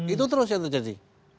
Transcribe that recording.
itu terus yang terjadi